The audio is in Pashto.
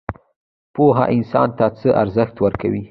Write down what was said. پوهه انسان ته څه ارزښت ورکوي؟